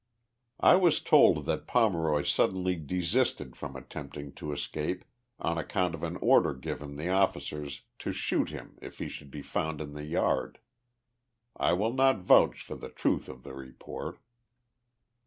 I was told that Pomeroy suddenly desisted from attempting to escape on account of an order given the officers to shoot him if he should be found in the yard. I will not vouch for the truth of the report.